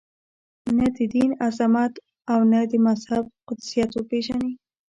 نه د دین عظمت او نه د مذهب قدسیت پېژني.